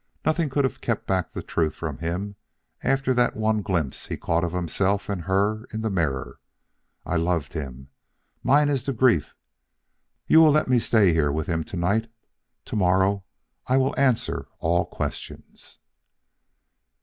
Nothing could have kept back the truth from him after that one glimpse he caught of himself and her in the mirror. I loved him. Mine is the grief; you will let me stay here with him to night. To morrow I will answer all questions."